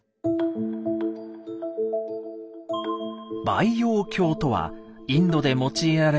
「貝葉経」とはインドで用いられたお経。